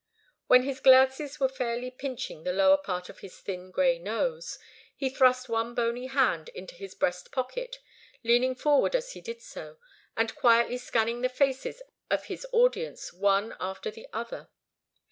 When his glasses were fairly pinching the lower part of his thin grey nose, he thrust one bony hand into his breast pocket, leaning forward as he did so, and quietly scanning the faces of his audience, one after the other.